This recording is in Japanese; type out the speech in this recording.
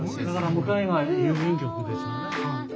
向かいが郵便局ですよね。